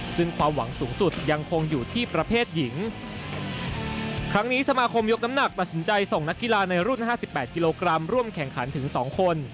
ซึ่งความหวังสูงสุดยังคงอยู่ที่ประเภทหญิงครั้งนี้สมาคมยกน้ำหนักตัดสินใจส่งนักกีฬาในรุ่นห้าสิบแปดกิโลกรัมร่วมแข่งขันถึงสองคน